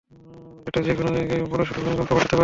যেটা যে কোনও জায়গায় বড়সড় ভূমিকম্প ঘটাতে পারবে।